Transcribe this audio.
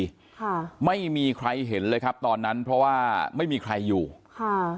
ค่ะไม่มีใครเห็นเลยครับตอนนั้นเพราะว่าไม่มีใครอยู่ค่ะ